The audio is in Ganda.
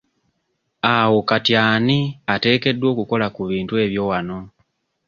Awo kati ani ateekeddwa okukola ku ebintu ebyo wano?